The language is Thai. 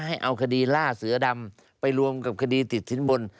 ให้เอาคดีล่าเสือดำไปรวมกับคดีติดสินบน